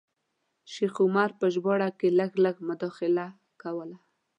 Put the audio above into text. شیخ عمر په ژباړه کې لږ لږ مداخله کوله.